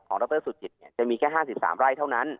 ดรสุจิตจะมีแค่๕๓ไร่เท่านั้น